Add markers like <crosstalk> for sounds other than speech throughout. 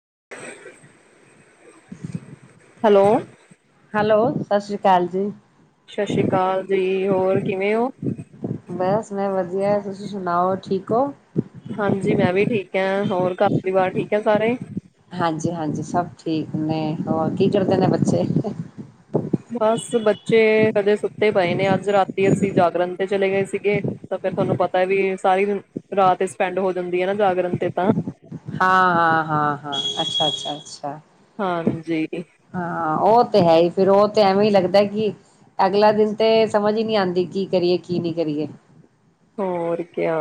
<inaudible> <inaudible> Hello. Hello ਸਤਿ੍ਰੀ ਅਕਾਲ ਜੀ। ਸਤਿ ਸ੍ਰੀ ਅਕਾਲ ਜੀ। ਹੋਰ ਕਿਵੇਂ ਹੋ? ਬਸ ਮੈਂ ਵਧੀਆ ਤੁਸੀਂ ਸੁਣਾਓ ਠੀਕ ਹੋ। ਹਾਂਜੀ, ਜੀ ਮੈਂ ਵੀ ਠੀਕ ਆ ਹੋਰ ਘਰ ਪਰਿਵਾਰ ਠੀਕ ਆ ਸਾਰੇ, ਹਾਂਜੀ ਹਾਂਜੀ ਸਭ ਠੀਕ ਨੇ ਹੋਰ ਕੀ ਕਰਦੇ ਨੇ ਬੱਚੇ, ਬਸ ਬੱਚੇ ਹਜੇ ਸੁੱਤੇ ਪਏ ਨੇ ਅੱਜ ਰਾਤੀ ਅਸੀਂ ਜਾਗਰਣ ਤੇ ਚਲੇ ਗਏ ਸੀਗੇ ਤਾਂ ਫਿਰ ਤੁਹਾਨੂੰ ਪਤਾ ਵੀ ਸਾਰੀ ਰਾਤ ਸਪੈਂਡ ਹੋ ਜਾਂਦੀ ਹੈ ਨਾ ਜਾਗਰਨ ਤੇ ਤਾਂ, ਹਾਂ ਹਾਂ ਹਾਂ ਹਾਂ ਅੱਛਾ ਅੱਛਾ ਅੱਛਾ, ਹਾਂਜੀ, ਹਾਂ ਉਹ ਤੇ ਹੈ ਹੀ ਫਿਰ ਉਹ ਤੇ ਐਵੇਂ ਹੀ ਲੱਗਦਾ ਕਿ ਅਗਲਾ ਦਿਨ ਤੇ ਸਮਝ ਹੀ ਨਹੀਂ ਆਉਂਦੀ ਕੀ ਕਰੀਏ ਕੀ ਨਹੀਂ ਕਰੀਏ। ਹੋਰ ਕਿਆ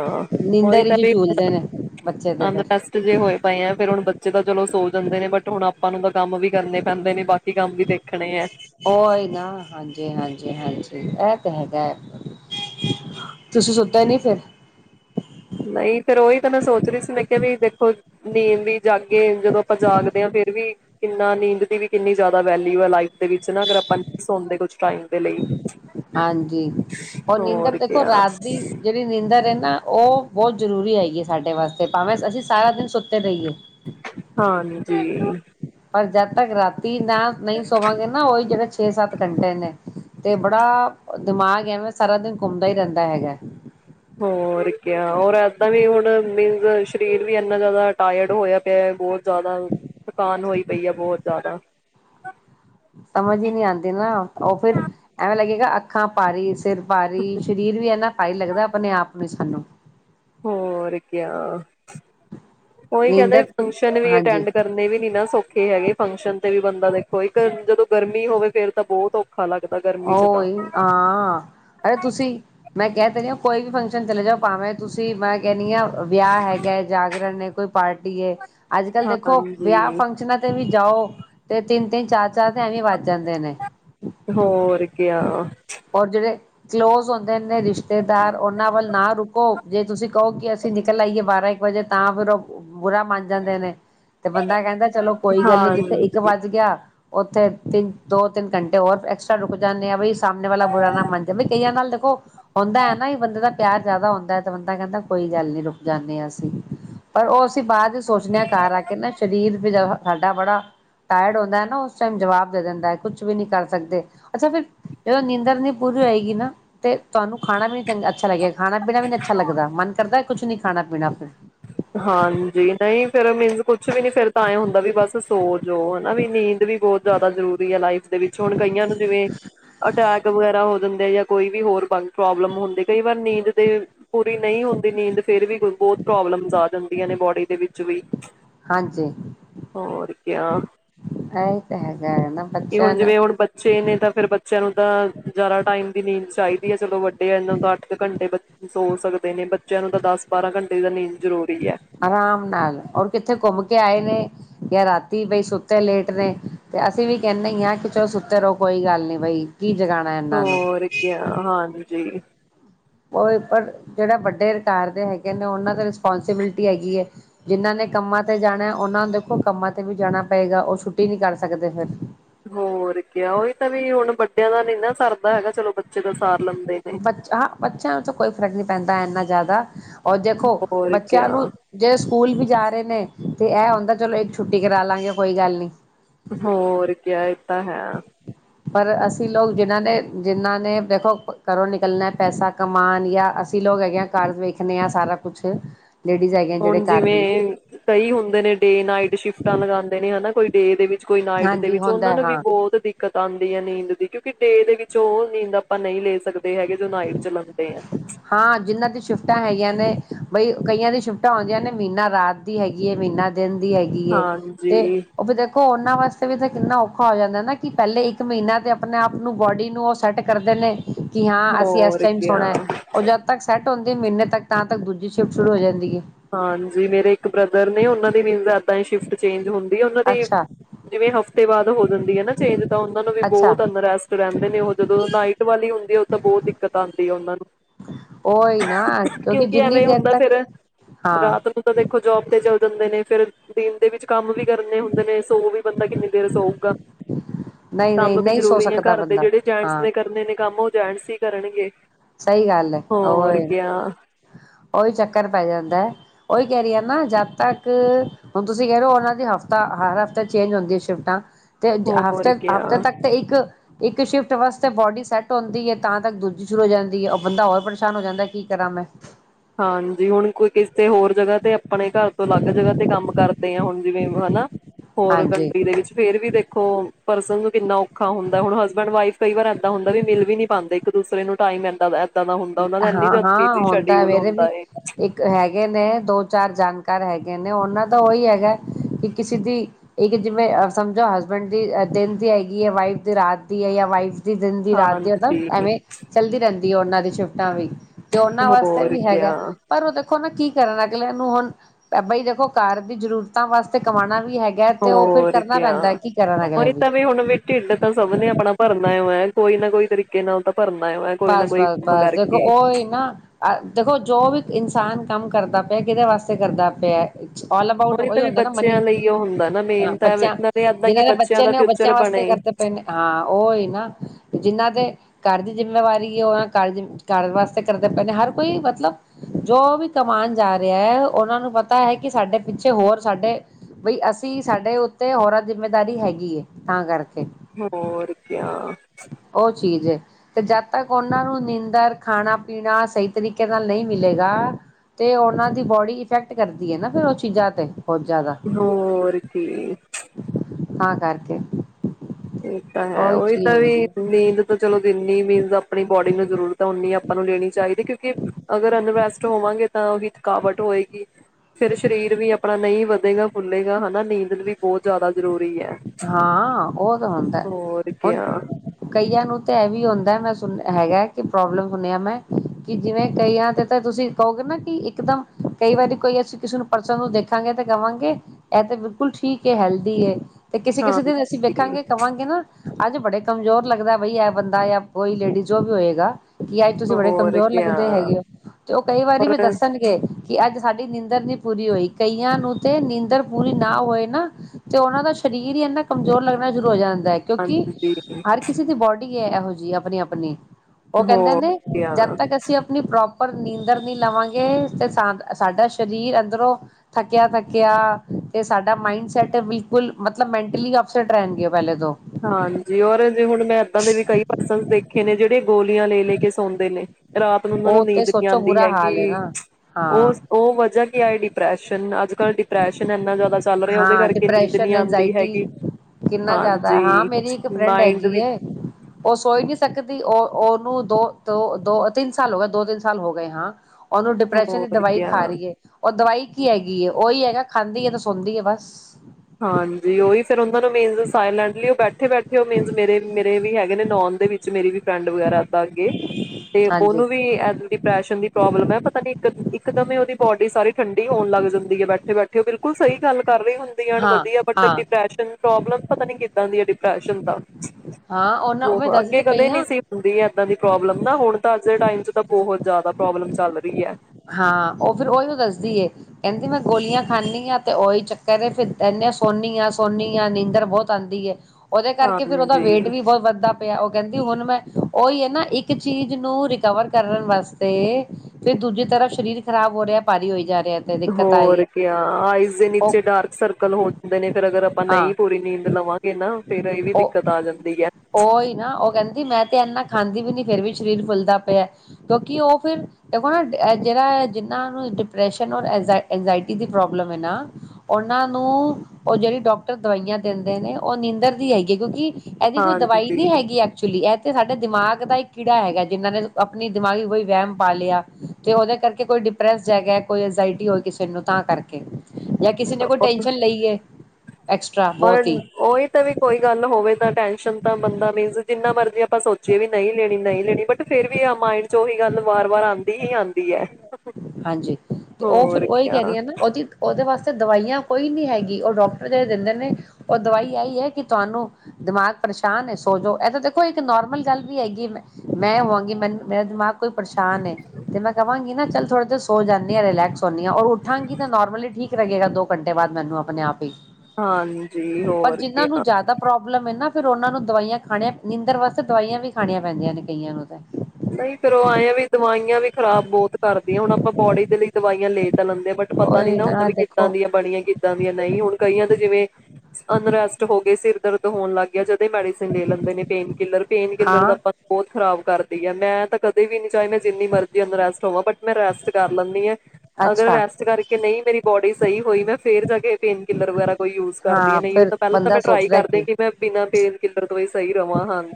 ਉਹੀ ਨਿੰਦਰ ਤਾਂ ਹੀ ਚ ਝੂਲਦੇ ਨੇ ਬੱਚੇ ਤੇ ਫਿਰ <unintelligible> ਜੇ ਹੋਏ। ਪਏ ਆ ਫੇਰ ਹੁਣ ਬੱਚੇ ਤਾਂ ਚਲੋ ਸੋ ਜਾਂਦੇ ਨੇ ਬਟ ਹੁਣ ਆਪਾਂ ਨੂੰ ਤਾਂ ਕੰਮ ਵੀ ਕਰਨੇ ਪੈਂਦੇ ਨੇ ਬਾਕੀ ਕੰਮ ਵੀ ਦੇਖਣੇ ਹੈ। ਔਈ ਨਾ ਹਾਂਜੀ ਹਾਂਜੀ ਹਾਂਜੀ ਇਹ ਤਾਂ ਹੈਗਾ ਹੈ, ਤੁਸੀਂ ਸੁਤੇ ਹੀ ਨੀ ਫਿਰ, ਨਹੀਂ, ਫਿਰ ਉਹੀ ਤਾਂ ਮੈਂ ਸੋਚ ਰਹੀ ਸੀ ਮੈਂ ਕਿਹਾ ਵੀ ਦੇਖੋ ਨੀਂਦ ਵੀ ਜਾਗੇ ਜਦੋਂ ਆਪਾਂ ਜਾਗਦੇ ਹਾਂ ਫਿਰ ਵੀ ਕਿੰਨਾ ਨੀਂਦ ਦੀ ਵੀ ਕਿੰਨੀ ਜ਼ਿਆਦਾ ਵੈਲਿਊ ਹੈ, ਲਾਈਫ ਦੇ ਵਿੱਚ ਨਾ ਅਗਰ ਆਪਾਂ ਨਹੀਂ ਸਣਦੇ ਕੁਛ ਟਾਈਮ ਦੇ ਲਈ ਹਾਂਜੀ ਔ ਨੀਂਦਰ ਹੋਰ ਦੇਖੋ ਕਿਆ ਰਾਤ ਦੀ ਜਿਹੜੀ ਨੀਂਦਰ ਐ ਨਾ ਉਹ ਬਹੁਤ ਜ਼ਰੂਰੀ ਹੈਗੀ ਹੈ, ਸਾਡੇ ਵਾਸਤੇ ਭਾਵੇਂ ਅਸੀਂ ਸਾਰਾ ਦਿਨ ਸੁੱਤੇ ਰਹੀਏ। ਹਾਂ ਜੀ, ਪਰ ਜਦ ਤੱਕ ਰਾਤ ਸੀ, ਨਾ ਨਹੀਂ ਸੋਵਾਂਗੇ ਨਾ ਉਹੀ ਜਿਹੜੇ ਛੇ ਸੱਤ ਘੰਟੇ ਨੇ, ਤੇ ਬੜਾ ਦਿਮਾਗ ਐਵੇੈਂ ਸਾਰਾ ਦਿਨ ਘੁੰਮਦਾ ਹੀ ਰਹਿੰਦਾ ਹੈਗਾ। ਹੋਰ ਕਿਆ ਹੋਰ ਏਦਾਂ ਵੀ ਹੁਣ ਮੀਨਜ ਸਰੀਰ ਵੀ ਇੰਨਾ ਜ਼ਿਆਦਾ ਟਾਇਰਡ ਹੋਇਆ ਪਿਆ ਬਹੁਤ ਜ਼ਿਆਦਾ ਥਕਾਨ ਹੋਈ ਪਈ ਆ ਬਹੁਤ, ਜ਼ਿਆਦਾ, ਸਮਝ ਹੀ ਨਹੀਂ ਆਉਂਦੀ ਨਾ ਉਹ ਫਿਰ ਐਵੇਂ ਲੱਗੇਗਾ ਅੱਖਾਂ ਭਾਰੀ ਸਿਰ ਭਾਰੀ ਸਰੀਰ ਵੀ ਹੈ, ਨਾ ਭਾਈ ਲੱਗਦਾ ਆਪਣੇ ਆਪ ਨੂੰ ਸਾਨੂੰ, ਹੋਰ ਕਿਆ। ਉਹੀ ਕਹਿੰਦੇ ਨੀਂਦਰ ਫੰਕਸ਼ਨ ਵੀ ਹਾਂਜੀ ਅਟੈਂਡ ਕਰਨੇ ਵੀ ਨੀ ਨਾ ਸੌਖੇ ਹੈਗੇ ਫੰਕਸ਼ਨ ਤੇ ਵੀ ਬੰਦਾ ਦੇਖੋ ਇੱਕ ਜਦੋਂ ਗਰਮੀ ਹੋਵੇ ਫੇਰ ਤਾਂ ਬਹੁਤ ਔਖ ਉਹੀ ਹਾਂ ਅਰੇ ਤੁਸੀਂ ਮੈਂ ਕਹਿ ਤੇ ਰਹੀ ਕੋਈ ਵੀ ਫੰਕ ਫੰਕਸ਼ਨ ਚਲੇ ਜਾਓ ਭਾਵੇਂ ਤੁਸੀਂ ਮੈਂ ਕਹਿੰਨੀ ਆ। ਵਿਆਹ ਹੈਗਾ ਹੈ ਜਾਗਰਣ ਹੈ ਕੋਈ ਪਾਰਟੀ ਹੈ, ਅੱਜ ਕੱਲ ਦੇਖੋ ਵਿਆਹ ਹਾਂਜੀ ਫੰਕਸ਼ਨਾਂ ਤੇ ਵੀ, ਜਾਓ ਤੇ ਤਿੰਨ ਤਿੰਨ ਚਾਰ ਚਾਰ ਐਵੇਂ ਵੱਜ ਜਾਂਦੇ ਨੇ, ਗਿਆ, ਔਰ ਜਿਹੜੇ ਕਲੋਜ਼ ਹੁੰਦੇ ਨੇ ਐਨੇ ਰਿਸ਼ ਰਿਤੇਦਾਰ ਉਹਨਾਂ ਵੱਲ ਨਾ ਰੁਕੋ ਜੇ ਤੁਸੀਂ ਕਹੋ ਕਿ ਅਸੀਂ ਨਿਕਲ ਆਈਏ ਬਾਰਾਂ ਇ ਜੇ ਤਾਂ ਫਿਰ ਉਹ ਬੁਰਾ ਮੰਨ ਜਾਂਦੇ ਨੇ ਤੇ ਬੰਦਾ ਕਹਿੰਦਾ ਚਲੋ ਕੋਈ ਗੱਲ ਨੀ ਜਿੱਥੇ ਹਾਂਜੀ ਇੱਕ ਵੱਜ ਗਿਆ। ਉੱਥੇ ਤਿੰਨ ਦੋ ਤਿੰਨ ਘੰਟੇ ਹੋਰ ਐਕਸਟਰਾ ਰੁਕ ਜਾਂਨੇ ਆ ਬਈ ਸਾਹਮਣੇ ਵਾਲਾ ਬੁਰਾ ਨਾ ਮੰਨ ਜਾਵੇ ਕਈਆਂ ਨਾਲ ਦੇਖੋ ਹੁੰਦਾ ਹੈ ਨਾ ਬੰਦੇ ਦਾ ਪਿਆਰ ਜ਼ਿਆਦਾ ਹੁੰਦਾ ਹੈ, ਤੇ ਬੰਦਾ ਕਹਿੰਦਾ ਕੋਈ ਗੱਲ ਨੀ ਰੁਕ ਜਾਂਨੇ ਆਂ ਅਸੀਂ ਪਰ ਉਹ ਅਸੀਂ ਬਾਅਦ ਚ ਸੋਚਦੇ ਹਾਂ ਘਰ ਆ ਕੇ ਨਾ ਸਰੀਰ ਵੀ ਸਾਡਾ ਬੜਾ ਟਾਇਰਡ ਹੁੰਦਾ ਨਾ ਉਸ ਟਾਈਮ ਜਵਾਬ ਦੇ ਦਿੰਦਾ ਹੈ, ਕੁਛ ਵੀ ਨੀ ਕਰ ਸਕਦੇ ਅੱਛਾ ਫਿਰ ਜਦੋਂ ਨੀਂਦਰ ਨੀ ਪੂਰੀ ਹੋਏਗੀ ਨਾ ਤੇ ਤੁਹਾਨੂੰ ਖਾਣਾ ਵੀ ਨ ਚੰਗਾ ਅੱਛਾ ਲੱਗਿਆ ਖਾਣਾ ਪੀਣਾ ਵੀ ਨਹੀਂ ਅੱਛਾ ਲੱਗਦਾ ਮਨ ਕਰਦਾ ਕੁਛ ਨੀ ਖਾਣਾ ਪੀਣਾ ਫਿਰ ਹਮ <inaudible> ਹਾਂਜੀ ਨਹੀਂ ਫੇਰ ਮੀਨ ਕੁਛ ਵੀ ਨੀ ਫੇਰ ਤਾਂ ਇਹ ਹੁੰਦਾ ਵੀ ਬਸ ਸੋ ਜੋੋ ਹਨਾ ਵੀ ਨੀਂਦ ਵੀ ਬਹੁਤ ਜ਼ਿਆਦਾ ਜ਼ਰੂਰੀ ਹੈ, ਲਾਈਫ ਦੇ ਵਿੱਚ ਹੁਣ ਕਈਆਂ ਨੂੰ ਜਿਵੇਂ ਅਟੈਕ ਵਗੈਰਾ ਹੋ ਜਾਂ ਜਾਂ ਕੋਈ ਵੀ ਹੋਰੰ ਪ੍ਰੋਬਲਮ ਹੁੰਦੀ ਕਈ ਵਾਰ ਨੀਂਦ ਦੇ ਪੂਰੀ ਨਹੀਂ ਹੁੰਦੀ ਨੀਂਦ ਫੇਰ ਵੀ ਬਹੁਤ ਪ੍ਰੋਬਲਮ ਪਾ ਦਿੰਦੀਆਂ ਨੇ ਬੋਡੀ ਦੇ ਵਿੱਚ ਵੀ ਹਾਂਜੀ ਹੋਰ ਕਿਆ ਇਹ ਤਾਂ ਹੈਗਾ ਨਾ ਬੱਚਿਆਂ ਹੁਣ ਨੂੰ ਜਿਵੇਂ ਹੁਣ ਬੱਚੇ ਨੇ ਤਾਂ ਫੇਰ ਬੱਚਿਆਂ ਨੂੰ ਤਾਂ ਜ਼ਿਆਦਾ ਟਾਈਮ ਦੀ ਨੀਂਦ ਚਾਹੀਦੀ ਹੈ, ਚਲੋ ਵੱਡੇ ਆ ਇਹਨਾਂ ਤਾਂ ਅੱਠ ਕੁ ਘੰਟੇ ਸੋ ਸਕਦੇ ਨੇ ਬੱਚਿਆਂ ਨੂੰ ਤਾਂ ਦਸ ਬਾਰਾਂ ਘੰਟੇ ਦਾ ਨੀਂਦ ਜ਼ਰੂਰੀ ਹੈ ਆਰਾਮ ਨਾਲ ਔਰ ਕਿੱਥੇ ਘੁੰਮ ਕੇ ਆਏ ਨੇ ਜਾਂ ਰਾਤੀ ਬਈ ਸੁੱਤੇ ਲੇਟ ਨੇ ਤੇ ਅਸੀਂ ਵੀ ਕਹਿੰਦੇ ਹੀ ਹਾਂ ਕਿ ਚਲੋ ਸੁੱਤੇ ਰਹੋ ਕੋਈ ਗੱਲ ਨੀ ਬਈ ਕੀ ਜਗਾਉਣਾ ਇਹਨਾਂ ਨੂੰ ਹੋਰ ਕੀਆ ਹਾਂ ਜੀ ਉਹ ਪਰ ਜਿਹੜਾ ਵੱਡੇ ਰਿਕਾਰ ਦੇ ਹੈਗੇ ਨੇ ਉਹਨਾਂ ਦੀ ਰਿਸਪੋਂਸੀਬਿਲਿਟੀ ਹੈਗੀ ਹੈ, ਜਿੰਹਨਾਂ ਨੇ ਕੰਮਾਂ ਤੇ ਜਾਣਾ ਉਹਨਾਂ ਨੂੰ ਦੇਖੋ ਕੰਮਾਂ ਤੇ ਵੀ ਜਾਣਾ ਪਏਗਾ ਉਹ ਛੁੱਟੀ ਨੀ ਕਰ ਸਕਦੇ ਫਿਰ ਹੋਰ ਕਿਆ ਉਹੀ ਤਾਂ ਵੀ ਹੁਣ ਵੱਡਿਆਂ ਦਾ ਨ ਨਾ ਸਰਦਾ ਹੈਗਾ ਚਲੋ ਬੱਚੇ ਦਾ ਸਾਰ ਲੈਂਦੇ ਨੇ <unintelligible> ਤੋਂ ਕੋਈ ਫ਼ਰਕ ਨਹੀਂ ਪੈਂਦਾ ਇੰਨਾ ਜ਼ਿਆਦਾ ਔਰ ਦੇਖੋ ਹੋਰ ਬੱਚਿਆਂ ਕਿਆ ਨੂੰ ਜਿਹੜੇ ਸਕੂਲ ਵੀ ਜਾ ਰਹੇ ਨੇ ਤੇ ਐਹ ਹੁੰਦਾ ਚਲੋ ਇੱਕ ਛੁੱਟੀ ਕਰਾ ਲਾਂਗੇ ਕੋਈ ਗੱਲ ਨੀ ਹੋਰ ਕਿਆ ਇਹ ਤਾਂ ਹੈ ਪਰ ਅਸੀਂ ਲੋਕ ਜਿਹਨਾਂ ਨੇ ਜਿਨਾਂ ਨੇ ਦੇਖੋ ਘਰੋਂ ਨਿਕਲਣਾ ਪੈਸਾ ਕਮਾਨ ਯਾ ਅਸੀਂ ਲੋਕ ਹੈਗੇ ਹਾਂ ਘਰ ਵੇਖਨੇ ਹਾਂ ਸਾਰਾ ਕੁਛ ਹੈਗੀਆਂ ਜਿਹੜੇ ਹੁਣ ਘਰ ਦੀ ਜਿਵੇਂ ਕਈ ਹੁੰਦੇ ਨੇ ਡੇ ਨਾਈਟ ਸ਼ਿਫਟਾਂ ਲਗਾਉਂਦੇ ਨੇ ਹਨਾ ਕੋਈ ਡੇ ਦੇ ਵਿੱਚ ਕੋਈ ਨਾਈਟ ਦੇ ਹਾਂਜੀ ਵਿੱਚ ਉਹਨਾਂ ਹੁੰਦਾ ਨੂੰ ਵੀ ਹਾਂ ਬਹੁਤ ਦਿੱਕਤ ਆਉਂਦੀ ਹੈ, ਨੀਂਦ ਕਿਉਂਕਿ ਡੇ ਦੇ ਵਿੱਚ ਉਹ ਨੀਂਦ ਆਪਾਂ ਨਹੀਂ ਲੈ ਸਕਦੇ ਹੈਗੇ ਜੋ ਨਾਈਟ ਚ ਲੈਂਦੇ ਆ ਹਾਂ ਜਿੰਨਾਂ ਦੀ ਸ਼ਿਫਟਾਂ ਹੈਗੀਆਂ ਬਈ ਕਈਆਂ ਦੀਆਂ ਸ਼ਛਿਫਟਾਂ ਆਉਂਦੀਆਂ ਨੇ ਮਹੀਨਾ ਰਾਤ ਦੀ ਹੈਗੀ ਹੈਏ ਮਹੀਨਾ ਦਿਨ ਹੈਗੀ ਤੇ ਹਾਂਜੀ ਉਹ ਵੀ ਦੇਖੋ ਹੁਣ ਓਣਾ ਵਾਸਤੇ ਵੀ ਤਾਂ ਕਿੰਨਾ ਔਖਾ ਹੋ ਜਾਂਦਾ ਨਾ ਕਿ ਪਹਿਲੇ ਇੱਕ ਮਹੀਨਾ ਤੇ ਆਪਣੇ ਆਪ ਨੂੰ ਬੋਡੀ ਨੂੰ ਉਹ ਸੈੱਟ ਕਰਦੇ ਨੇ ਕਿ ਹਾਂ ਆਸ <unintelligible> ਐਸ ਹੋਰ ਟਾਈਮ ਸੋਹਣਾ ਕਿਆ ਹੈ ਉਹ ਜਦ ਤੱਕ ਸੈੱਟ ਹੂੰਦੇ ਮਹੀਨੇ ਤੱਕ ਤਾਂ ਤੱਕ ਦੂਜੀ ਸ਼ਿਫਟ ਸ਼ੁਰੂ ਹੋ ਜਾਂਦੀ ਹੈ ਹਾਂਜੀ ਮੇਰੇ ਇੱਕ ਬ੍ਰਦਰ ਨੇ ਉਹਨਾਂ ਦੀ ਮਿਨ <unintelligible> ਸ਼ਿਫਟ ਚੇਂਜ ਹੁੰਦੀ ਹੈ ਉਹਨਾਂ ਦੀ ਅੱਛਾ ਜਿਵੇਂ ਹਫਤੇ ਬਾਅਦ ਹੋ ਜਾਂਦੀ ਹੈ ਨਾ ਚੇਂਜ ਤਾਂ ਉਹਨਾਂ ਨੂੰ ਵੀ ਅੱਛਾ ਬਹੁਤ ਅਨਰੈਸਟ ਰਹਿੰਦੇ ਨੇ ਉਹ ਜਦੋਂ ਨਾਈਟ ਵਾਲੀ ਹੁੰਦੀ ਉ ਤਾਂ ਬਹੁਤ ਦਿੱਕਤ ਆਉਂਦੀ ਹੈ ਉਹਨਾਂ ਨੂੰ ਉਹੀ ਨਾ ਕਿਉਂਕਿ ਜਿੰਨੀ ਐਵੇਂ ਦੇਰ ਹੁੰਦਾ ਤੱਕ ਫੇਰ ਹਾਂ ਰਾਤ ਨੂੰ ਤਾਂ ਦੇਖੋ ਜੋਬ ਤੇ ਚ ਦਿੰਦੇ ਨੇ ਫੇਰ ਦੀਨ ਦੇ ਵਿੱਚ ਕੰਮ ਵੀ ਕਰਨੇ ਹੁੰਦੇ ਨੇ ਸੌ ਵੀ ਬੰਦਾ ਕਿੰਨੀ ਦੇਰ ਸੋਊਗਾ ਨਹੀਂ ਕੰਮ ਨਹੀਂ ਵੀ ਨਹੀਂ ਸੋ ਜਰੂਰੀ ਹੈ ਸਕਦਾ ਘਰ ਦੇ ਬੰਦਾ ਜਿਹੜੇ ਜੈਂਟਸ ਹਾਂ ਨੇ ਕਰਨੇ ਨੇ ਕੰਮ ਉਹ ਜੈਂਟਸ ਹੀ ਕਰਨਗੇ ਸਹੀ ਗੱਲ ਹੋਰ ਐ ਕਿਆ ਉਹੀ ਚੱਕਰ ਪੈ ਜਾਂਦਾ ਹੈ ਉਹੀ ਕਹਿ ਰਹੀ ਹੈ ਨਾ ਜਦ ਤੱਕ ਹੁਣ ਤੁਸੀਂ ਕਹਿ ਰਹੇ ਹੋ ਉਹਨਾਂ ਦੀ ਹਫ਼ਤਾ ਹਰ ਹਫ਼ਤਾ ਚੇਂਜ ਹੁੰਦੀ ਸ਼ਿਫਟਾਂ ਤੇ <unintelligible> ਹੋਰ ਹਫ਼ਤੇ ਕਿਆ ਹਫ਼ਤੇ ਤੱਕ ਤੇ ਇੱਕ ਇੱਕ ਸ਼ਿਫਟ ਵਾਸਤੇ ਬੋਡੀ ਸੈੱਟ ਹੁੰਦੀ ਹੈ ਤਾਂ ਤੱਕ ਦੂਜੀ ਸ਼ੁਰੂ ਹੋ ਜਾਂਦੀ ਹੈ ਉਹ ਬੰਦਾ ਹੋਰ ਪਰੇਸ਼ਾਨ ਹੋ ਜਾਂਦਾ ਕੀ ਕਰਾਂ ਮੈਂ ਹਾਂਜੀ ਹੁਣ ਕੋਈ ਕਿਸ ਤੇ ਹੋਰ ਜਗ੍ਹਾ ਤੇ ਆਪਣੇ ਘਰ ਤੋਂ ਅਲੱਗ ਜਗ੍ਹਾ ਤੇ ਕੰਮ ਕਰ ਕਰਦੇ ਹ ਹੁਣ ਜਿਵੇਂ ਹਨਾ ਹੋਰ ਹਾਂਜੀ ਕੰਟਰੀ ਦੇ ਵਿੱਚ ਫੇਰ ਵੀ ਦੇਖੋ ਪਰਸਨ ਨੂੰ ਕਿੰਨਾ ਔਖਾ ਹੁੰਦਾ ਹੁਣ ਹਸਬੈਂਡ ਵਾਈਫ ਕਈ ਵਾਰ ਇੱਦਾਂ ਹੁੰਦਾ ਵੀ ਮਿਲ ਵੀ ਨੀ ਪਾਉਂਦੇ ਇੱਕ ਦੂਸਰੇ ਨੂੰ ਟਾਈਮ ਐਦਾਂ ਦਾਂ ਾਂ ਹੁੰ ਉਹਨਾਂ ਨੇ ਇੰਨੀ ਜ਼ੀ ਛੱ ਤਾਂ ਮੇਰੇ ਵੀ ਇੱਕ ਹੈਗੇ ਨੇ ਦੋ ਚਾਰ ਜਾਣਕਾਰ ਹੈਗੇ ਨੇ ਉਹਨਾਂ ਦਾ ਉਹੀ ਹੈਗਾ ਕਿ ਕਿਸੇ ਦੀ ਇੱਕ ਜਿਵੇਂ ਸਮਝੋ ਹਸਬੈਂਡ ਦੀ ਦਿਨ ਦੀ ਹੈਗੀ ਹੈ ਵਾਈਫ ਦੀ ਰਾਤ ਦੀ ਹੈ ਯਾਂ ਵਾਈਫ ਦੀ ਦਿਨ ਦੀ ਰਾਤ ਦੀ ਉਹ ਤਾਂ ਹਾਂਜੀ ਐਵੇਂ ਚੱਲਦੀ ਰਹਿੰਦੀ ਹੈ ਉਹਨਾਂ ਦੀ ਚੁਟਾ ਵੀੀ <unintelligible> ਤੇ ਉਹਨਾਂ ਵਾਸਤੇ ਹੋਰ ਵੀ ਹੈਗਾ ਕਿਆ, ਪਰ ਉਹ ਦੇਖੋ ਨਾ ਕੀ ਕਰਨ ਅਗਲਿਆਂ ਨੂੰ ਹੁਣਾਬਾਈ ਦੇਖੋ ਕਾਰ ਦੀ ਜ਼ਰੂਰਤਾਂ ਵਾਸਤੇ ਕਮਾਉਣਾ ਵੀ ਹੈਗਾ ਤੇ ਉਹ ਫਿਰ ਹੋਰ ਕਰਨਾ ਕਿਆ ਪੈਂਦਾ ਕੀ ਕਰਨ ਅਗਲੇ ਹੀ ਤਾਂ ਵੀ <unintelligible> ਹੁਣ ਵੀ ਢਿੱਡ ਤਾਂ ਸਭ ਨੇ ਆਪਣਾ ਭਰਨਾ ਕੋਈ ਨਾ ਕੋਈ ਤਰੀਕੇ ਨਾਲ ਤਾਂ ਭਰਨਾ ਓ ਐ। ਕੋਈ ਨਾ ਬਸ ਕੋਈ ਬਸ ਕੰਮ ਬਸ ਦੇਖੋ ਕਰਕੇ। ਉਹੀ ਨਾ ਦੇਖੋ ਜੋ ਵੀ ਇਨਸਾਨ ਕੰਮ ਕਰਦਾ ਪਿਆ ਕਿਹਦੇ ਵਾਸਤੇ ਕਰਦਾ ਪਿਆ ਆਲ ਅਬਾਊਟ ਉਹੀ ਤਾਂ ਵੀ ਹੁੰਦਾ ਨਾ ਮੰਨੀ ਬੱਚਿਆਂ ਲਈ ਉਹ ਹੁੰਦਾ ਨਾ ਹਾਂ ਮੇਨ ਤਾਂ ਬੱਚਿਆਂ ਨਾਲੇ ਏਦਾਂ ਕਿ ਜਿਹਨਾਂ ਦੇ ਬੱਚਿਆਂ ਬੱਚੇ ਦਾ ਨੇ ਉਹ ਫਿਊਚਰ ਬੱਚਿਆਂ ਬਣੇ। ਵਾਸਤੇ ਕਰਦੇ ਪਏ ਨੇ ਹਾਂ ਉਹਹੀ ਨਾ ਜਿੰਨਾ ਦੇ ਘਰ ਦੀ, ਜਿੰਮੇਵਾਰੀ ਉਹ ਘਰ ਘਰ ਵਾਸਤੇ ਕਰਦੇ ਪਏ ਨੇ ਹਰ ਕੋਈ ਮਤਲਬ ਜੋ ਵੀ ਕਮਾਉਣ ਜਾ ਰਿਹਾ ਹੈ, ਉਹਨਾਂ ਨੂੰ ਪਤਾ ਹੈ ਕਿ ਸਾਡੇ ਪਿੱਛੇ ਹੋਰ ਸਾਡੇ ਬਈ ਅਸੀਂ ਸਾਡੇ ਉੱਤੇ ਹੋਰਾਂ ਜਿੰਮੇਦਾਰੀ ਹੈਗੀ ਹੈ, ਤਾਂ ਕਰ ਹੋਰ ਕਿਆ। ਉਹ ਚੀਜ਼ ਏ। ਤੇ ਜਦ ਤੱਕ ਉਹਨਾਂ ਨੂੰ ਨੀਂਦਰ ਖਾਣਾ ਪੀਣਾ ਸਹੀ ਤਰੀਕੇ ਨਾਲ ਨਹੀਂ ਮਿਲੇਗਾ ਤੇ ਉਹਨਾਂ ਦੀ ਬੋਡੀ ਇਫੈਕਟ ਕਰਦੀ ਹੈ, ਨਾ ਫਿਰ ਉਹ ਚੀਜ਼ਾਂ ਤੇ ਬਹੁਤ ਜ਼ਿਆਦਾ ਹੋਰ ਕੀ, ਤਾਂ ਕਰ ਕੇ, ਇਹ ਤਾਂ ਹੈ ਉਹੀ ਤਾਂ ਵੀ ਨੀਂਦ ਤਾਂ ਚਲੋ ਜਿੰਨੀ ਨੀਂਦ ਦਾ ਆਪਣੀ ਬੋਡੀ ਨੂੰ ਜ਼ਰੂਰਤ ਹੈ, ਉਨੀ ਆਪਾਂ ਨੂੰ ਲੈਣੀ ਚਾਹੀਦੀ ਕਿਉਂਕਿ ਅਗਰ ਅਨਰੈਸਟ ਹੋਵਾਂਗੇ ਤਾਂ ਉਹੀ ਥਕਾਵਟ ਹੋਏਗੀ ਫੇਰ ਸਰੀਰ ਵੀ ਆਪਣਾ ਨਹੀਂ ਵਧੇਗਾ ਫੁੱਲੇਗਾ ਹਨਾ। ਨੀਂਦਰ ਵੀ ਬਹੁਤ ਜ਼ਿਆਦਾ ਜ਼ਰੂਰੀ ਹੈ। ਆਉਂਦਾ ਹੋਰ ਹੁਣ ਕਿਆ ਕਈਆਂ ਨੂੰ ਤੇ ਇਹ ਵੀ ਹੁੰਦਾ ਮੈਂ ਸੁਣਿਆ ਹੈਗਾ ਕਿ ਪ੍ਰੋਬਲਮ ਹੁਣਿਆ ਮੈਂ ਕਿ ਜਿਵੇਂ ਕਈਆਂ ਤੇ ਤਾਂ ਤੁਸੀਂ ਕਹੋਗੇ ਨਾ ਕਿ ਇੱਕਦਮ ਕਈ ਵਾਰੀ ਕੋਈ ਅਸੀਂ ਕਿਸੇ ਨੂੰ ਪਰਸਨ ਨੂੰ ਦੇਖਾਂਗੇ ਤੇ ਕਵਾਂਗੇ ਇਹ ਤੇ ਬਿੱਲਕੁਲ ਠੀਕ ਹੈਲਦੀ ਐ। ਤੇ ਕਿਸੇ ਕਿਸੇ ਦੇ ਅਸੀਂ ਹਾਂਜੀ ਵੇਖਾਂਗੇ ਕਹਾਂਗੇ ਨਾ, ਅੱਜ ਬੜੇ ਕਮਜ਼ੋਰ ਲੱਗਦਾ ਬਈ ਇਹ ਬੰਦਾ ਜਾਂ ਕੋਈ ਲੇਡੀਜ਼ ਜੋ ਵੀ ਹੋਏਗਾ। ਕਿ ਅੱਜ ਤੁਸੀਂ ਬੜੇ ਹੋਰ ਕਮਜ਼ੋਰ ਕਿਆ ਲੱਗਦੇ ਹੈਗੇ ਔ ਤੇ ਉਹ ਕਈ ਵਾਰੀ ਹੋਰ ਵੀ ਦੱਸਣਗੇ ਕਿ ਅੱਜ ਸਾਡੇ ਨੀਂਦਰ ਨਹੀਂ ਪੂਰੀ ਹੋਈ ਕਈਆਂ ਨੂੰ ਤੇ ਨੀਂਦਰ ਪੂਰੀ ਨਾ ਹੋਏ ਨਾ ਤੇ ਉਹਨਾਂ ਦਾ ਸਰੀਰ ਐਨਾ ਕਮਜ਼ੋਰ ਲੱਗਣਾ ਸ਼ੁਰੂ ਹੋ ਜਾਂਦਾ, ਲੈ ਕਿਉਂਕਿ ਹਾਂਜੀ ਹਰ ਕਿਸੇ ਦੀ ਬੋਡੀ, <unintelligible> ਇਹੋ ਜਿਹੀ ਆਪਣੀ ਆਪਣੀ ਉਹ ਕਹਿੰਦੇ ਹੋਰ ਨੇ ਜਦ ਕਿਆ ਤੱਕ ਅਸੀਂ ਆਪਣੀ ਪ੍ਰੋਬ ਪਰ ਨੀਂਦਰ ਨੀ ਲਵਾਂਗੇ ਤੇ ਸਾ ਸਾਡਾ ਸਰੀਰ ਅੰਦਰੋਂ ਥੱਕਿਆ ਥੱਕਿਆ ਅਤੇ ਸਾਡਾ ਮਾਈੰਡਸੈੱਟ ਬਿਲਕੁਲ ਮਤਲਬ ਮੈਂਟਲੀ ਅਪਸੈਟ ਰਹਿਣਗੇ। ਪਹਿਲੇ ਤੋਂ ਹਾਂਜੀ ਔਰ ਜੇ ਹੁਣ ਮੈਂ ਐਦਾਂ ਦੇ ਵੀ ਕਈ ਪਰਸਨ ਦੇਖੇ ਨੇ ਜਿਹ ਗੋਲੀਆਂ ਲੇ ਲੇ ਕੇ ਸੌਂਦੇ ਨੇ, ਰਾਤ ਨੂੰ ਉਹਨਾਂ ਨੂੰ ਉਹ ਤੇ ਨੀਂਦ ਨੀ ਸੋਚੋ ਆਉਂਦੀ ਬੁਰਾ ਹਾਲ ਹੈ ਹੈਗੀ ਨਾ ਹਾਂ ਉਹ ਉਹ ਵਜ੍ਹਾ ਕੀ ਹੈ, ਡਿਪਰੈਸ਼ਨ ਡਿਪੈਸ਼ਨ ਅੱਜ ਕੱਲ੍ਹ ਡਿਪਰੈਸ਼ਨ ਇੰਨਾ ਜ਼ਿਆਦਾ ਚੱਲ ਰਿਹਾ ਉਹਦੇ ਹਾਂ ਕਰਕੇ ਨੀਂਦ ਨੀ ਡਿਪਰੈਸ਼ਨ ਆਉਂਦੀ ਐੰਜਾਇਟੀ ਹੈਗੀ ਕਿੰਨਾ ਜ਼ਿਆਦਾ ਹਾਂ ਹਾਂਜੀ ਮੇਰੀ ਇੱਕ ਫਰੈਂਡ ਮਾਇੰਡ ਹੈਗੀ ਵਿੱਚ ਐ, ਉਹ ਸੋਈ ਨੀ ਸਕਦੀ ਉਹ ਉਹਨੂੰ ਦੋ ਦੋ ਦੋ ਤਿੰਨ ਸਾਲ ਹੋ ਗਏ ਦੋ ਤਿੰਨ ਸਾਲ ਹੋ ਗਏ ਹਾਂ। ਉਹਨੂੰ ਡਿਪਰੈਸ਼ਨ ਦੀ ਹੋਰ ਦਵਾਈ ਗਿਆ ਖਾ ਰਹੀਏ ਉਹ ਦਵਾਈ ਕੀ ਹੈ ਗੀ ਉਹੀ ਹੈਗਾ ਖਾਂਦੀ ਏ ਤੇ ਹੋਦੀ ਐ ਬਸ, ਹਾਂਜੀ ਉਹੀ ਫਿਰ ਹੁਣ ਮੀਨਸ ਸਾਇਲੈਂਟਲੀ ਉਹ ਬੈਠੇ ਬੈਠੇ ਉਹ ਮੀਨਸ ਮੇਰੇ ਮੇਰੇ ਦੇ ਵੀ ਹੈਗੇ ਨੇ ਨੌਨ ਦੇ ਵਿੱਚ ਮੇਰੀ ਵੀ ਫਰੈਂਡ ਵਗੈਰਾ ਵਾ ਗੇ ਤੇ ਹਾਂਜੀ ਉਹਨੂੰ ਵੀ ਡਿਪਰੈਸ਼ਨ ਦੀ ਪ੍ਰੋਬਲਮ ਹੈ ਪਤਾ ਨੀ ਇੱਕ, ਇਕ ਦਮ ਉਹਦੀ ਬੋਡੀ ਸਾਰੀ ਠੰਢਡੀ ਹੋਣ ਲੱਗ ਜਾਂਦੀ ਹੈ ਬੈਠੇ ਬੈਠੇ ਉਹ ਬਿਲਕੁਲ ਸਹੀ ਗੱਲ ਕਰ ਰਹੀ ਵਧੀ <unintelligible> ਹਾਂ ਵਧੀਆ ਬਟ ਹਾਂ ਡਿਪਰੈਸ਼ਨ ਪ੍ਰੋਬਲਮ ਪਤਾ ਨੀ ਕਿੱਦਾਂ ਦੀ ਹੈ। ਪ੍ਰਸ਼ਨ ਦਾ, ਹਾਂ ਉਹਨਾਂ ਹੋ ਮੈਂ ਹ ਦੱਸਦੀ ਅੱਗੇ ਤੇ ਕਦੇ ਪਈ ਨਹੀਂ ਹਾਂ ਸੀ ਹੁੰਦੀ ਏਦਾਂ ਦੀ ਪ੍ਰੋਬਲਮ, ਨਾ ਹੁਣ ਤਾਂ, ਅੱਜ ਦੇ ਟਾਈਮ ਚ ਤਾਂ ਬਹੁਤ ਜ਼ਿਆਦਾ ਪ੍ਰੋਬਲਮ ਚੱਲ ਰਹੀ ਹੈ। ਹਾਂ, ਉਹ ਫਿਰ ਉਓਹੀ ਦੱਸਦੀ ਹੇ ਕਹਿੰਦੀ, ਮੈਂ ਗੋਲੀਆਂ ਖਾਂਨੀ ਹਾਂ ਤੇ ਉਓਹੀ ਚੱਕਰ ਹੇ ਫਿਰ ਇਨੇ ਸੋਨੀ ਆ ਸੋਨੀ ਆ ਨੀਂਦਰ ਬਹੁਤ ਆਉਂਦੀ ਹੇ। ਉਹਦੇ ਕਰਕੇ ਫਿਰ ਉਹਦਾ ਹਾਂਜੀ ਵੇਟ ਵੀ ਬਹੁਤ ਵੱਧਦਾ ਪਿਆ ਹੈ। ਉਹ ਕਹਿੰਦੀ ਹੁਣ ਮੈਂ ਉਹੀ ਹੈ ਨਾ, ਇੱਕ ਚੀਜ਼ ਨੂੰ ਰਿਕਵਰ ਕਰਨ ਵਾਸਤੇ ਫਿਰ ਦੂਜੀੇ ਤਰਫ ਸਰੀਰ ਖਰਾਬ ਹੋ ਰਿਹਾ ਹੈ। ਪਾਰੀ ਹੋਈ ਜਾ ਰਹੀ ਤੇ ਦਿੱਕਤ ਆ ਹੋਰ ਹੈ ਕਯਾ, ਆਈਜ਼ ਦੇ ਨੀਚੇ ਉਹ ਡਾਰਕ ਸਰਕਲ ਹੋ ਜਾਂਦੇ ਨੇ, ਫਿਰ ਅਗਰ ਆਪਾਂ ਹਾਂ ਨਹੀਂ ਪੂਰੀ ਨੀਂਦ ਲਵਾਂਗੇ ਨਾ, ਫੇਰ ਇਹ ਵੀ ਉਹ ਦਿੱਕਤ ਆ ਜਾਂਦੀ ਹੈ। ਚ ਉਹੀ ਨਾ ਉਹ ਕਹਿੰਦੀ ਮੈਂ ਤੇ ਏਨਾ ਖਾਂਦੀ ਵੀ ਨੀ ਫੇਰ ਵੀ ਸ਼ਰੀਰ ਫੁੱਲਦਾ ਪਿਆ ਹੈ। ਕਿਉਂਕਿ ਉਹ ਫਿਰ ਦੇਖੋ ਨਾ ਏ ਜਿਹੜਾ ਜਿਹਨਾਂ ਨੂੰ ਡਿਪਰੈਸ਼ਨ ਔਰ ਐਜ ਇੰਜਾਇਟੀ ਦੀ ਪ੍ਰੋਬਲਮ ਹੈ ਨਾ, ਉਹਨਾਂ ਨੂੰ ਉਹ ਜਿਹੜੀ ਡਾਕਟਰ ਦਵਾਈਆਂ ਦਿੰਦੇ ਨੇ, ਉਹ ਨੀਂਦਰ ਦੀ ਹੈਗੀ ਹੈ। ਕਿਉਂਕਿ ਇਹਦੀ ਕੋਈ ਦਵਾਈ ਹਾਂਜੀ ਨੀ ਹੈਗੀ ਐਕਚੁਲੀ। ਇਹ ਤੇ ਤੇ ਸਾਡੇ ਦਿਮਾਗ ਦਾ ਇੱਕ ਕੀੜਾ ਹੈਗਾ ਹੈ, ਜਿਹਨਾਂ ਨੇ ਆਪਣੀ ਦਿਮਾਗ ਚ ਕੋਈ ਵਹਿਮ ਪਾ ਲਿਆ। ਤੇ ਉਹਦੇ ਕਰਕੇ ਕੋਈ ਡਿਪ੍ਰੈਸ ਜਿਆ ਹੈ ਗਿਆ ਹੈ। ਕੋਈ ਐਂਜਾਇਟੀ ਹੋਵੇ ਕਿਸੇ ਨੂੰ ਤਾਂ ਕਰਕੇ। ਜਾਂ ਕਿਸੇ ਨੇ ਕੋਈ ਟੈਨਸ਼ਨ ਲਈਏ ਐਕਸਟਰਾ ਹੋਰ ਬਹੁਤ ਹੀ ਉਹੀ ਤੇ ਵੀ, ਕੋਈ ਗੱਲ ਨਾ ਹੋਵੇ ਤਾਂ ਟੈਨਸ਼ਨ ਤਾਂ ਬੰਦਾ ਮੀਨਸ, ਜਿੰਨਾ ਮਰਜ਼ੀ ਆਪਾਂ ਸੋਚੀਏ ਵੀ ਨਹੀਂ ਲੈਣੀ-ਨਹੀਂ ਲੈਣੀ, ਬਟ ਫਿਰ ਵੀ ਅ ਮਾਇੰਡ ਚ ਉਹੀ ਗੱਲ ਵਾਰ-ਵਾਰ ਆਉਂਦੀ ਹੀ ਆਉਂਦੀ ਹੈ। ਹਾਂਜੀ। ਤੇ ਉਹ ਫਿਰ ਹੋਰ ਉਹੀ ਕਿਆ ਕਹਿ ਰਹੀਆਂ ਨਾ, ਉਹਦੀ ਉਹਦੇ ਵਾਸਤੇ ਤੇ ਦਵਾਈਆਂ ਕੋਈ ਨੀ ਹੈਗੀ। ਉਹ ਡਾਕਟਰ ਜਿਹੜੇ ਦਿੰਦੇ ਨੇ, ਉਹ ਦਵਾਈ ਏ ਹੀ ਹੈ ਕਿ ਤੁਹਾਨੂੰ ਦਿਮਾਗ ਪਰੇਸ਼ਾਨ ਹੈ, ਸੋਜੋ। ਇਹ ਤਾਂ ਦੇਖੋ ਇੱਕ ਨੋਰਮਲ ਗੱਲ ਵੀ ਹੈਗੀ ਹੇ, ਮੈਂ-ਮੈਂ ਹੋਵਾਂਗੀ, ਮੈਨੂੰ ਮੈਂ ਦਿਮਾਗ ਕੋਈ ਪਰੇਸ਼ਾਨ ਹੈ, ਤੇ ਮੈਂ ਕਵਾਂਗੀ ਨਾ ਚੱਲ ਥੋੜ੍ਹੇ ਚਿਰ ਸੋ ਜਾਂਦੀ ਹਾਂ, ਰਿਲੈਕਸ ਹੋਨੀ ਹਾਂ, ਅ-ਔਰ ਉੱਠਾਂਗੀ ਤਾਂ ਨੋਰਮਲੀ ਠੀਕ ਰਗੇਗਾ, ਦੋ ਘੰਟੇ ਬਾਅਦ ਮੈਨੂੰ ਆਪਣੇ ਆਪ ਹੀ। ਹਾਂਜੀ ਪਰ ਹੋਰ ਜਿੰਨਾਂ ਕਿਆ ਨੂੰ ਜਿਆਦਾ ਪ੍ਰੋਬਲਮ ਹੈ ਨਾ ਫਿਰ ਉਹਨਾਂ ਨੂੰ ਦਵਾਈਆਂ ਖਾਣੀਆਂ, ਨੀਂਦਰ ਵਾਸਤੇ ਦਵਾਈਆਂ ਵੀ ਖਾਣੀਆਂ ਪੈਂਦੀਆਂ ਨੇ ਕਈਆਂ ਨੂੰ ਤੇ। ਨਹੀਂ, ਫੇਰ ਉਹ ਆਏਆ ਵੀ ਦਵਾਈ ਵੀ ਖਰਾਬ ਬਹੁਤ ਕਰਦੀਆਂ। ਹੁਣ ਆਪਾਂ ਬੋਡੀ ਦੇ ਲਈ ਦਵਾਈਆਂ ਲੇ ਤਲ ਲੈਂਦੇ ਹੇ, ਬਟ ਪਤਾ ਨਹੀਂ ਉਹੀ ਨਾ ਹੁੰਦਾ ਵੀ ਕਿੱਦਾਂ ਦੇਖੋ ਦੀਆਂ ਬਣੀੀਆਂ, ਕਿੱਦਾਂ ਦੀਆਂ ਨਹੀਂ। ਹੁਣ ਕਈਆਂ ਦੇ ਜਿਵੇਂ ਅਨਰੈਸਟ ਹੋ ਗਏ ਸਿਰ ਦਰਦ ਹੋਣ ਲੱਗ ਗਿਆ ਜਦ ਤੇ ਮੈਡੀਸਨ ਲੈ ਲਂਦੇ ਨੇ। ਪੇਨ ਕਿਲਰ-ਪੇਨ ਕਿਲਰ ਦਾ ਹਾਂ ਆਪਾਂ ਬਹੁਤ ਖ਼ਰਾਬ ਕਰਦੇ ਬਿਆ ਮੈਂ ਤਾਂ ਕਦੇ ਵੀ ਨਹੀ ਚਾਹੇ ਮੈਂ ਜਿੰਨੀ ਮਰਜ਼ੀ ਅਨਰੈਸਟ ਹੋਵਾਂ, ਬਟ ਮੈਂ ਰੈਸਟ ਕਰ ਲੈਂਨੀ ਹੇ ਅਗਰ ਅੱਛਾ ਰੈਸਟ ਕਰਕੇ ਨਹੀਂ ਮੇਰੀ ਬੋਡੀ ਸਹੀ ਹੋਈ, ਮੈਂ ਫੇਰ ਜਾ ਕੇ ਪੇਨ ਕਿਲਰ ਵਗੈਰਾ ਕੋਈ ਯੂਜ ਕਰਦੀ ਹਾਂ ਹ। ਨਹੀਂ ਫਿਰ ਤ ਪਹਿਲਾਂ ਤਾਂ ਬੰਦਾ ਮੈਂ ਟ੍ਰਾਈ ਸੋਚਦਾ ਕਰਦੀ ਕਿ ਮੈਂ ਬਿਨਾਂ ਪੇਨ ਕਿੱਲਰ ਤੋਂ ਵੀ ਸਹੀ ਰਵਾਂ, ਹਨ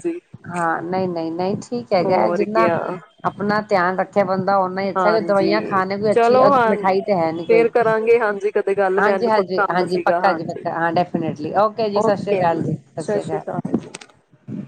ਹਾਂ, ਨਹੀਂ-ਨਹੀਂ-ਨਹੀਂ ਠੀਕ ਕ ਹੈਗਾ ਹੈ। ਹੋਰ ਜਿੰਨਾ ਕਿਆ ਆਪਣਾ ਧਿਆਨ ਰੱਖਿਆ ਬੰਦਾ ਓਨਾ ਹੀ ਅੱਛਾ ਹੈ ਜੇ ਦਵਾਈਆਂ ਹਾਂਜੀ, ਖਾਣੇ ਕੋਈ ਅੱਛੀ ਚਲੋ ਏ ਹਾਂ ਮਿਠਾਈ ਤੇ ਹੈ ਨੀ ਕੋਈ। ਫੇਰ ਕਰਾਂਗੇ ਹਾਂਜੀ ਕਦੇ ਗੱਲ ਮੈਨੂੰ ਥੋੜਾ ਕੰਮ ਹਾਂਜੀ-ਹਾਂਜੀ-ਹਾਂਜੀ। ਸੀਗਾ ਪੱਕਾ ਹਾਂਜੀ ਜੀ-ਪੱਕਾ। ਹਾਂ ਡੈਫੇਨਟਲੀ। ਓਕੇ ਜੀ। ਸਤਿ ਸ਼੍ਰੀ ਅਕਾਲ ਜੀ, ਸਤ ਸ਼੍ਰੀ ਅਕਾਲ।